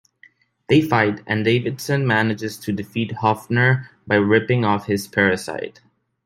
They fight, and Davison manages to defeat Hofner by ripping off his parasite.